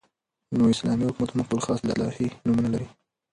، نو اسلامي حكومت هم خپل خاص او اصطلاحي نومونه لري